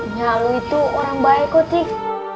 nyak lu itu orang baik kok titik